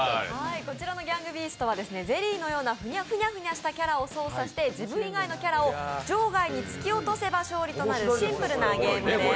こちらの「ＧａｎｇＢｅａｓｔｓ」はですね、ゼリーのようなふにゃふにゃしたものを使って自分以外のキャラを場外に突き落とせば勝利となるシンプルなゲームです。